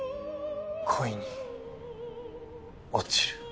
恋に落ちる。